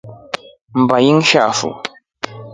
Mba ngishafu.